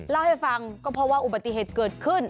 เล่าให้ฟังก็เพราะว่าอุบัติเหตุเกิดขึ้น